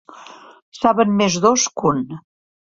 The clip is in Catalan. Saben més dos que un.